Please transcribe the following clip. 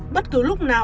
bất cứ lúc nào